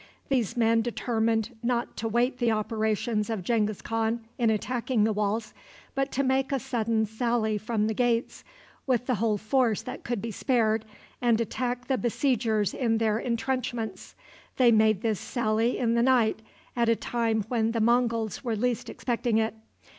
These men determined not to wait the operations of Genghis Khan in attacking the walls, but to make a sudden sally from the gates, with the whole force that could be spared, and attack the besiegers in their intrenchments. They made this sally in the night, at a time when the Monguls were least expecting it.